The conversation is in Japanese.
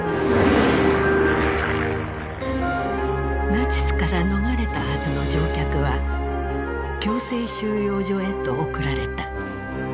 ナチスから逃れたはずの乗客は強制収容所へと送られた。